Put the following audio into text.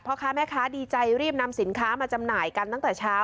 พ่อค้าแม่ค้าดีใจรีบนำสินค้ามาจำหน่ายกันตั้งแต่เช้า